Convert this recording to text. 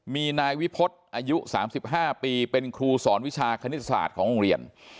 มีนายวิพฤษอายุ๓๕ปีเป็นครูสอนวิชาคณิตศาสตร์ของโรงเรียน